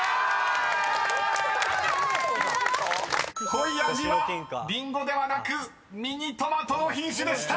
［「恋味」はりんごではなくミニトマトの品種でした！］